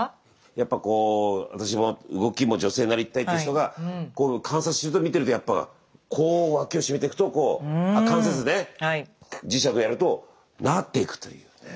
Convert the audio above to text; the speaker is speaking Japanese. やっぱこう私も動きも女性になりたいって人が観察してると見てるとやっぱこう脇を締めてくとこうあ関節ね磁石やるとなっていくというね。